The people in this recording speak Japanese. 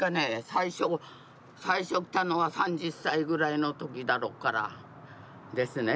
最初最初来たのは３０歳ぐらいの時だろうからですね。